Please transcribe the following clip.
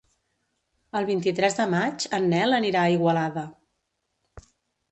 El vint-i-tres de maig en Nel anirà a Igualada.